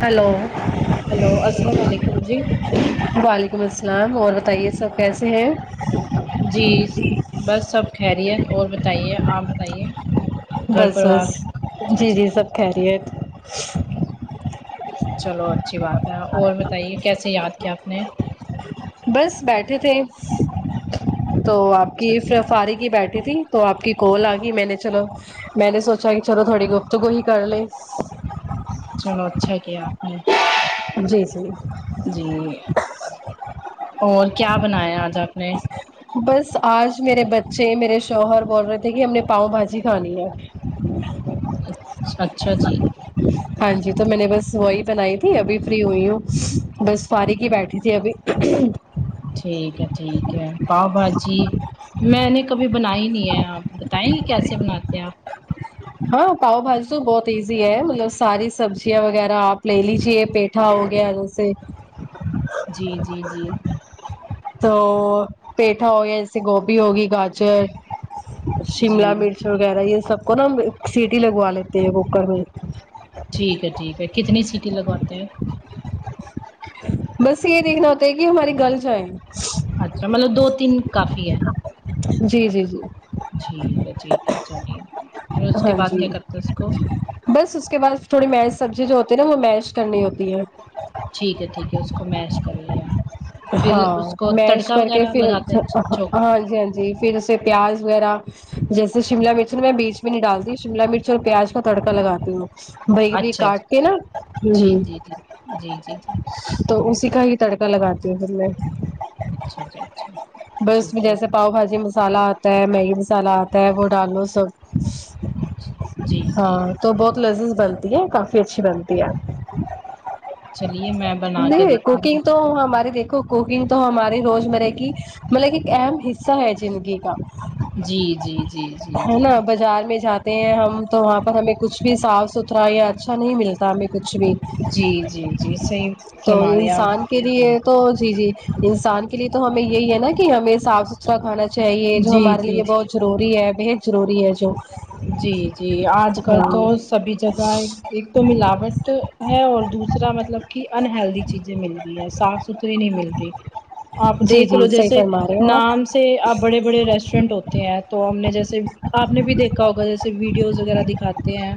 Hello hello السلام علیکم جی وعلیکم السلام اور بتائیے سب کیسے ہیں جی بس سب خیریت اور بتائیے آپ بتائیے گھر بس پروار بس جی جی سب خیریت چلو اچھی بات ہے اور بتائیے کیسے یاد کیا آپ نے بس بیٹھے تھے تو آپ کی اچھا ساری کی بیٹھی تھی تو آپ کی کال آ گئی میں نے چلو میں نے سوچا کہ چلو تھوڑے گفتگو ہی کر لے چلو اچھا کیا آپ نے جی جی جی اور کیا بنایا آج آپ نے بس آج میرے بچے میرے شوہر بول رہے تھے کہ ہم نے پاؤ بھاجی کھانی ہے اچھا اچھا جی ہاں جی تو میں نے بس وہی بنائی تھی ابھی فری ہوئی ہوں بس فارغ ہی بیٹھی تھی ابھی ٹھیک ہے ٹھیک ہے پاؤ بھاجی میں نے کبھی بنائی نہیں ہے آپ بتائیں گی کیسے بناتے ہیں آپ ہاں پاؤ بھاجی تو بہت ایزی ہے مطلب ساری سبزیاں وغیرہ آپ لے لیجیے پیٹ پیٹھا ہو گیا جسے جی جی جی تو پیٹھا ہو گیا جیسے گوبھی ہوگی گاجر شملا جی مرچ وغیرہ یہ سب کو نا ہم سیٹی لگوا لیتے ہیں کوکر میں ٹھیک ہے ٹھیک ہے کتنی سیٹیں لگواتے ہیں بس یہ دیکھنا ہوتا ہے کہ ہماری گل جائے اچھا مطلب دو تین کافی ہے جی جی جی ٹھیک ہے ٹھیک ہے چلیے میں اس کے ہاں بعد جی کیا کرتا ہہ اس کو بس اس کے بعد تھوڑی میش سبزی جو ہوتی ہے نا وہ میش کرنی ہوتی ہے ٹھیک ہے ٹھیک ہے اس کو میش کر لیا پھر ہاں اس کو میش تڑکا کر وغیرہ لگاتے کےپھر ہیں چوک ہاں جی ہاں ج جی پھر اسے پیاز وغیرہ جیسے شملہ مرچ نا میں بیچ میں نہیں ڈالتی شملہ مرچ پیاز کا تڑکا لگاتی ہوں باریک باریک اچھا کاٹ کے نا جی ہ جی جی جی جی جی ہ تو اسی کا ہی تڑکا لگاتی ہوں پھر میں اچھا جی اچھا ٹھیک ہے پاو بھاجی مسا لہ آتا ہے میگی مسالہ آتا ہے وہ ڈالو سب اچھا جی جی ہاں تو بہت لذیذ بنتی ہے کافی اچھی بنتی ہے چلیے میں بنا کے نہیں دیکھوں گا کوکنگ تو ہماری دیکھو کوکنگ تو ہمارے روزمرہ کی مطلب ایک اہم حصہ ہے زندگی کا جی جی جی جی ہے جی نا بازار میں جات ہیں ہم تو وہاں پر ہمیں کچھ بھی صاف ستھرا یا اچھا نہیں ملتا ہمیں کچھ بھی جی جی جی صحیح تو فرما رہے آپ انسان کے لیے تو جی جی انسان کے لیے تو ہمیں یہی ہے نا کہ ہمیں صاف س اچھا کھانا چاہیے جو جی ہمارے جی لیے جی بہت ضروری ہے بےحد ضروری ہے جو جی جی آج کل ہاں تو سبھی جگہ ایک تو ملاوٹ ہے اور دوسرا مطلب کہ انہلدی چیزیں مل رہئی ہے صاف ستری نہیں مل رہی آپ جی دیکھ جی لو صحیح جیسے فرما رہے ہو آپ نام سے آپ بڑے بڑے ریسٹورینٹ ہوتے تو ہم نے جیسے آپ نے بھی دیکھا ہوگا جیسے ویڈیوز وغیرہ دکھاتے ہیں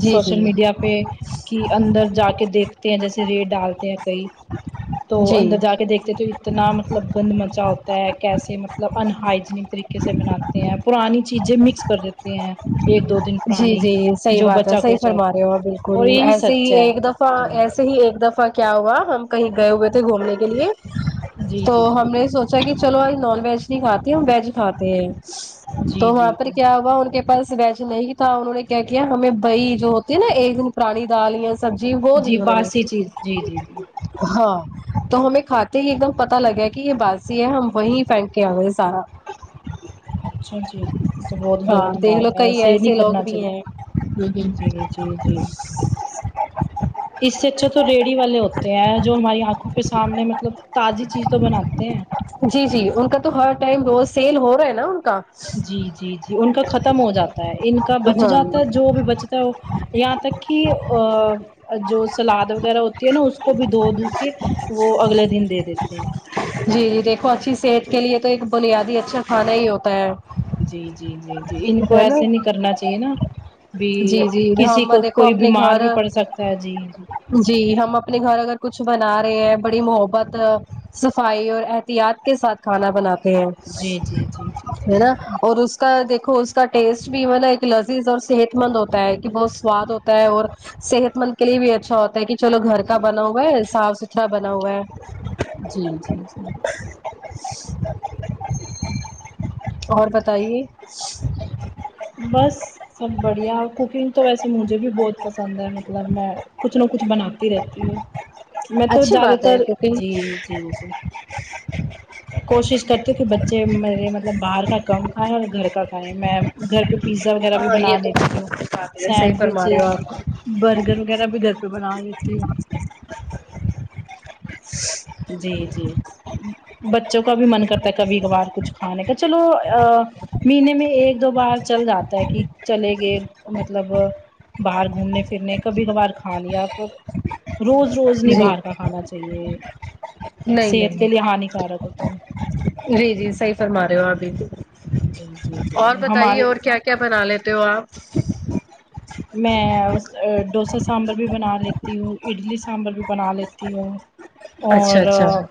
جی سوشل جی میڈیا پیٹ کہ اندر جا کے دیکھتے ہیں جیسے ریڑ ڈالتے ہیں کئی تو جی اندر جا کے دیکھتے تو اتنا مطلب گند مچا ہوتا ہے کیسے مطلب ان ہائجینک طریقے سے بناتے ہیں پرانی چیزیں مکس کر دیتے ہیں ایک دو دن جی پرانی جی صحیح جو بات ہے بچا صحیح کوچا فرما رہے ہوتا ہو ہے اور بالکل یہی ایسے ہی سچ ہے ایک دفعہ ایسے ہی ایک دفعہ کیا ہوا ہم کہیں گئے ہوئے تھے گھومنے کے لیے جی تو جی ہم نے سوچ ا کہ چلو آج نان ویج نہیں کھاتے ہیں ویج کھاتے ہیں جی جی تو جی وہاں پر کیا ہوا ان کے پاس ویج نہیں تھا انہوں نے کیا کیا ہمیں وہی جو ہوتی ہے نا ایک دن پرانی دال یا سبزی وہ جی دی انہوں نے باسی چیز جی جی جی ہاں تو ہمیں کھاتے ہی ایک دم پتا لگ گیا کہ یہ باسی ہے ہم وہیں پھینک کے آ گئے سارا اچھا جی تو بہت ہاں غلط دیکھ لو بات ہے کئی ایسے نی لوگ کرنا بھی ہیں چاہیے جی جی جی اس سے اچھا تو ریڑی والے ہوتے ہیں جو ہماری آنکھوں کے سامنے مطلب تازی چیز تو بناتے ہیں جی جی ان کا تو ہر ٹائم روز سیل ہو رہا ہے نا ان کا جی جی جی ان کا ختم ہو جاتا ہے ان کا بچ ہاں جاتا ہے جو بھی بچتا ہے وہ یہاں تک کہ جو سلاد وغیرہ ہوتی نا اس کو بھی دھو دھو کے وہ اگلے دن دے دیتے ہیں جی جی دیکھو اچھی صحت کے لیے تو ایک بنیادی اچھا کھانا ہی ہوتا ہے جی جی جی جی ان کو ہے نا ایسے نہیں کرنا چاہیے نا بھی جی جی کسی ہم کو دیکھو کوئی اپنے بیمار گھر بھی پڑ سکتا ہے جی جی ہم اپنے گھر اگر کچھ بنا رہے ہیں بڑی محبت صفائی اور احتیاط کے ساتھ کھانا بناتے ہیں جی جی جی جی ہے نا اور اس اس کا دیکھو اس کا ٹیسٹ بھی مطلب ایک لذیذ اور صحت مند ہوتا ہے کہ بہت سواد ہوتا ہے اور صحت مند کے لیے بھی اچھا ہوتا ہے کہ چلو گھر کا بنا ہوا ہے صاف ستھر اچھا بنا ہوا ہے جی جی جی اور بتائیے بس سب بڑھیا کوکنگ تو ویسے مجھے بھی بہت پسند ہے مطلب میں کچھ نہ کچھ بنا رہتی ہے میں تو اچھی زیادہ بات ہے تر جی کیونکہ جی جی [unintelligible] کوشش کرتے کہ بچے میرے مطلب باہر کا کم کھائیں اور گھر کا کھائیں میں گھر پہ پیزا وغیرہ بھی ہاں یہ بنا تو لیتی ہوں بات ہے صحیح فرما رہے ہو سینڈوچز آپ برگر وغیرہ بھی گھر پہ بنا لیتی ہوں جی جی بچوں کا بھی من کرتا ہے کبھی کبھار کچھ کھانے کا چلو مہینے میں ایک دو بار چل جاتا ہے کہ چلے گئے مطلب باہر گھومنے پھرنے کبھی کبھار کھا لیاپ روز روز نہیں جی باہر کا کھانا چاہیے نہیں نہیں صحت کے نہیں، لیے ہانی رک ہوتا ہے جی جی صحیح فرما رہے ہو اپ یے جی جی اور جی بتائیے ہمارے اور کیا کیا بنا لیتے ہو آپ میں ڈوسا سانبھر بھی بنا لیتی ہوں اڈلی سانبھر بھی بنا لیتی ہوں اچھا اچھا اور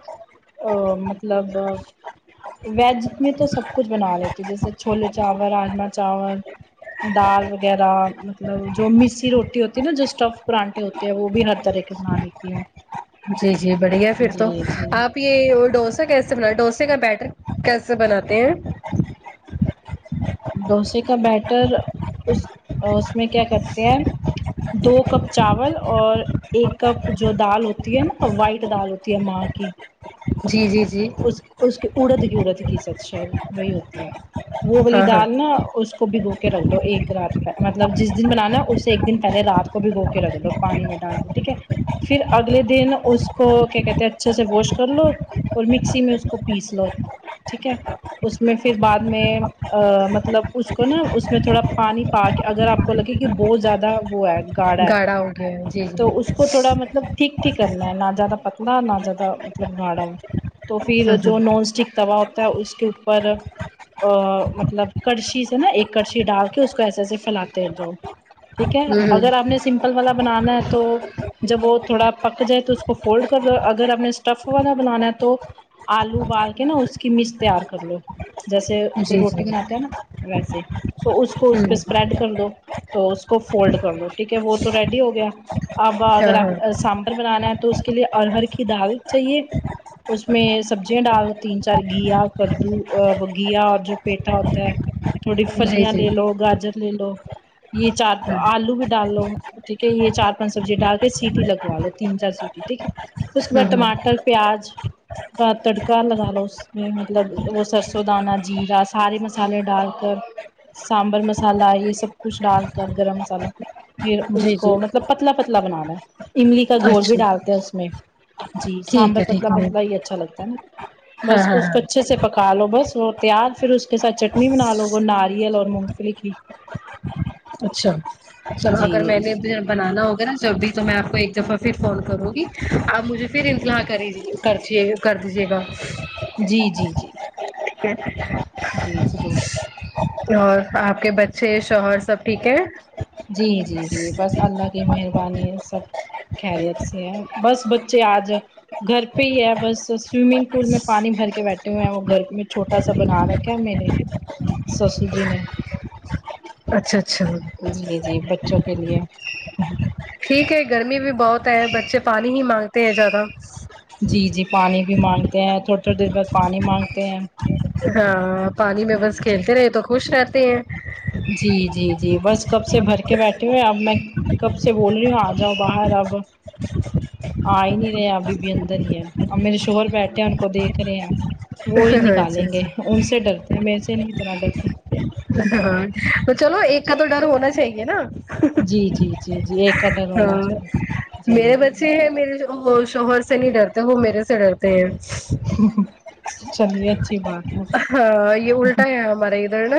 مطلب ویج میں تو سب کچھ بنا لیتی ہوں جیسے چھولے چاول راجما چاول دال وغیرہ مطلب جو مسی روٹی ہوتی ہے نا جو اسٹف پرانٹے ہوتے ہیں وہ بھی ہر طرح کے بنا لیتی ہوں جی جی بڑھیا پھر تو جی جی آپ ہی یہ ڈوسا کیسے بنا ڈوسے کا بیٹر کیسے بناتے ہیں ڈوسے کا بیٹر اس اس میں کیا کرتے ہیں دو کپ چاول اور ایک کپ جو دال ہوتی ہے نا وائٹ دال ہوتی ہے ماں کی جی جی جی اس اس کی اڑد کی اڑد کی شاید وہی ہوتی ہے وہ والی ہاں ہاں دال نا اس کو بھگو کے رکھ دو ایک رات مطلب جس دن بنانا اسے ایک دن پہلے رات کو بھگو کے رکھ دو پانی میں ڈال دو ٹھیک ہے پھر اگلے دن اس کو کیا کہتے اچھے سے واش کر لو اور مکسی میں اس کو پیس لو ٹھیک ہے اس میں پھر بعد میں مطلب اس کو نا اس میں تھوڑا پانی پا کے اگر آپ کو لگے کہ بہت زیادہ وہ ہے گڑا ہے گاڑھا ہو گیا ہے جی جی ہوں تو اس کو تھوڑا مطلب ٹھیک ٹھیک کرنا ہے نہ زیادہ پتلا نہ زیادہ مطلب گھاڑا تو پھر جو ہوں نون اسٹک توا ہوتا ہے اس کے اوپر مطلب کڑچی سے نا ایک کڑچی ڈال کے اس کو ایسے ایسے پھیلاتے جاو ٹھیک ہے ہوں اگر آپ نے سمپل والا بنانا ہے تو جب وہ تھوڑا پک جائے تو اس کو فولڈ کر لو اگر ہمپ نے اسٹف والا بنانا ہے تو تو آلو ابال کے نا اس کی مچ تیار کر لو جیسے ہوں جی جی روٹی ہوں بناتے ہیں نا ویسے تو اس کو اس پہ اسپریڈ کر دو تو اس کو فولڈ کر لو ٹھیک ہے وہ تو ریڈی ہو گیا اب ہاں اگر آپ ہاں سانبر بنانا ہے تو کے لیے ارہر کی دال چاہیے اس میں سبزیاں ڈال دو تین چار گیا کدو گیا اور جو پیٹا ہوتا ہے تھوڑی جی فلیاں جی لے لو گاجر لے لو یہ چار ہوں آلو بھی ڈال لو ٹھیک ہے یہ چار پانچ سبزی ڈال کے سیٹی لگوا لو تین چار سیٹی ٹھیک ہے اس کے بعد ہوں ٹماٹر پیاز کا تڑکا لگا لو اس میں مطلب وہ سرسوں دانہ جیرا سارے مسالے ڈال کر سانبر مسالہ یہ سب کچھ ڈال کر گرم مسالہ پھر ہوں اس جی جی کو مطلب پتلا پتلا بنانا ہے املی کا گول بھی اچھا ڈالتے ہیں اس میں جی ٹھیک سانبر ہے پتلا ٹھیک پ ہے ہی اچھا لگتا ہے نا ہاں بس ہاں اس ہاں کو اچھے سے پکا لو بس وہ تیار پھر اس کے ساتھ چٹنی بنا لو وہ ناریل اور مونگ پھلی کی اچھا چل اگر جی میں نے جی بنانا ہوگا نا جب بھی تو میں آپ کو ایک دفعہ پھر فون کروں گی آپ مجھے پھر انتلا کر ہی دیجیے کر چے کر دیجیے گا جی جی جی ٹھیک ہے؟ جی جی اور آپ کے بچے شوہر سب ٹھیک ہے جی جی جی بس اللہ کی مہربانی سب خیریت سے ہے بس بچے آج گھر پہ ہی ہے بس سوئمنگ پول میں پانی بھر کے بیٹھے ہوئے ہیں وہ گھر میں چھوٹا آٹا سب بنا رکھا میر نے سسو جی نے اچھا اچھا جی جی بچوں کے لیے ٹھیک ہے گرمی بھی بہت ہے بچے پانی ہی مانگتے ہیں زیادہ جی جی پانی بھی مانگتے ہیں تھوڑی تھوڑی دیر بعد پانی مانگتے ہیں ہاں پانی میں بس جی کھیلتے رہے تو خوش رہتے ہیں جی جی جی بس کب سے بھر کے بیٹھے ہوئے اب میں کب سے بول رہی ہوں آ جاؤ باہر اب آ ہی نہیں رہے ابھی بھی اندر ہی ہے اب میرے شوہر بیٹھے ہیں ان کو دیکھ رہے ہیں وہی اچھا نکالیں گے اچھا ان سے ڈرتے ہیں میرے سے نہیں اتنا ڈرتے ہاں تو چلو ایک کا تو ڈر ہونا چاہیے نا جی جی جی جی ایک کا ڈر ہونا ہاں چاہیے جی میرے بچے جی ہیں میرے جو شوہر سے نہیں ڈرتے وہ میرے سے ڈرتے ہیں چلیے اچھی بات ہے ہاں یہ الٹا ہے ہمارے ادھر نا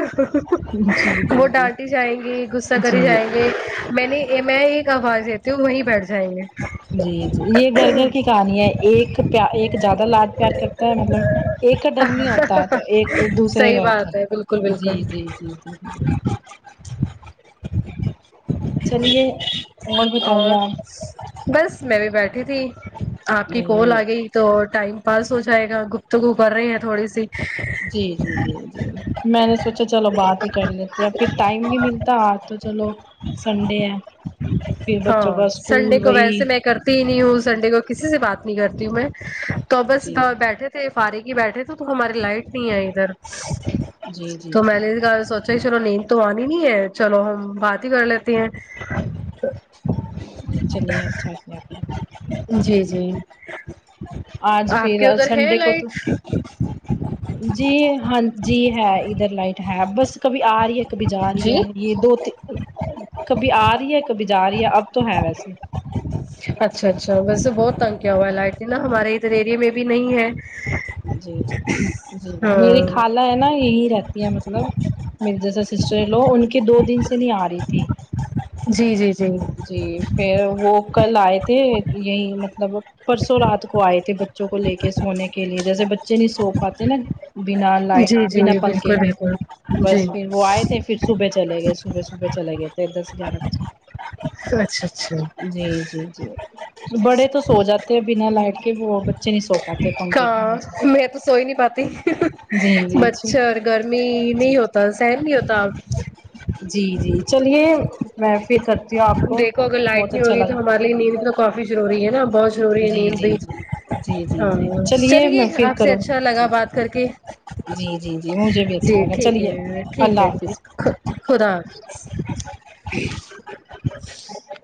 جی جی وہ جی ڈانٹی جائیں گی کر ہی جی جائیں گے میں نہیں میں ایک آواز دیتی ہوں وہیں بیٹھ جائیں گے جی جی یہ گھر گھر کے کہانی ایک ایک زیادہ لاد پیار کرتا ہے مطلب ایک کا ڈر نہیں ہوتا ہوتا تو ایک دوسرے صحیح کا ہوتا بات ہے بالکل بالکل جی جی جی جی جی چلیے بتائیے اور آپ بس میں بھی بیٹھی تھی آپ کی کال آ جی گئی تو ٹائم پاس ہو جائے گا گفتگو کر رہی ہیں تھوڑی سی جی جی جی جی میں نے سونچا چلو بات ہی کر لیتے ہیں پھر ٹائم نہیں ملتا تو چلو سنڈے ہے پھر بچوں ہاں کا سنڈے اسکول کو وہی ویسے میں کرتی ہی نہیں ہوں سنڈے کو جی کسی سے بات نہیں کرتی ہوں میں تو بس بیٹھے تھے فاریکی بیٹھے تھے تو ہماری لائٹ نہیں ہے ادھر جی جی جی تو میں نے کہا اچھ چلو نیند تو آنی نہیں ہے چلو ہم بات ہی کر لیتے ہیں چلیے اچھا کیا اپنے جی جی آج آپ کے پھر ادھر ہے سنڈے کو تو لائٹ جی ہاں جی ہے ادھر لائٹ ہے بس کبھی آ رہی ہے کبھی جا رہی جی ہے یہ دو ت کبھی آ رہی ہے کبھی جا رہی ہے اب تو ہے ویسے اچھا اچھا ویسے بہت تنگ کیا ہوا ہے لائٹ نا ہمارے ادھر ایریے میں بھی نہیں ہے جی جی جی جی میری خال ہاں لا ہے نا یہی رہتی ہے مطلب میرے جیسا سسٹر لو ان کے دو دن سے نہیں آ رہی تھی جی جی جی جی پھر وہ کل آئے تھے یہی مطلب پرسوں رات کو آئے تھے بچوں کو لے کے سونے کے لیے جیسے بچے نہیں سو پاتے نا بنا لائٹ جی بنا جی پنکھے بالکل کے بالکل جی بس پھر وہ آئے تھے پھر صبح چلے گئے صبح صبح چلے گئے دس گیارہ بجے اچھا اچھا جی جی جی بڑے تو سو جاتے ہیں بنا لائٹ کے وہ بچے نہیں سو پاتے پنکھے کی ہاں وجہ سے میں تو سوئی نہیں پاتی جی جی جی مچھر گرمی نہیں جی ہوتا سہن نہیں ہوتا جی جی چلیے میں پھر کر دیکھو اگر لائٹ نہیں ہوگی تو ہمارے لیے نیند بھی تو کافی ضروری ہے نا بہت ضروری ہے جی نیند جی بھی جی جی ہ جی جی میں چلیے پھر آپ سے کروں اچھا لگا جی بات جی کر کے جی جی جی مجھے بھی اچھا جی لگا ٹھیک چلیے ہے ٹھیک اللہ ہے جی حافظ خداحافظ